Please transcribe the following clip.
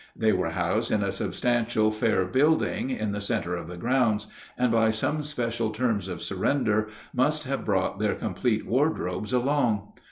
They were housed in a substantial fair building in the center of the grounds, and by some special terms of surrender must have brought their complete wardrobes along.